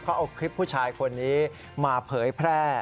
เขาเอาคลิปผู้ชายคนนี้มาเผยแพร่